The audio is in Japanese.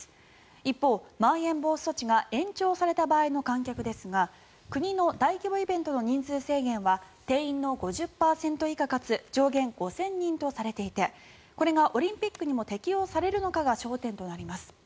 一方、まん延防止措置が延長された場合の観客ですが国の大規模イベントの人数制限は定員の５０％以下かつ上限の５０００人とされていてこれがオリンピックにも適用されるのかが焦点となります。